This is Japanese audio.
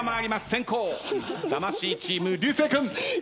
先攻魂チーム流星君。